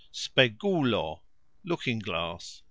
spegulo : looking glass.